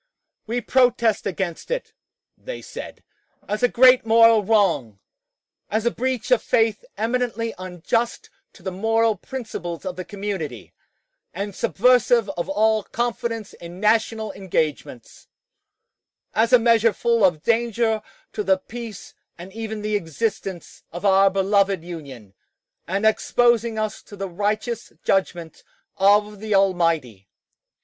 "We protest against it," they said, "as a great moral wrong, as a breach of faith eminently unjust to the moral principles of the community, and subversive of all confidence in national engagements; as a measure full of danger to the peace and even the existence of our beloved Union, and exposing us to the righteous judgment of the Almighty."